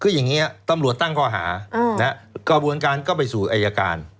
คืออย่างนี้ตำรวจตั้งข้อหากระบวนการก็ไปสู่อายการ